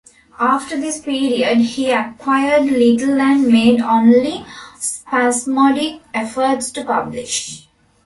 After this period, he acquired little and made only spasmodic efforts to publish.